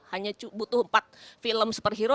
hanya butuh empat film superhero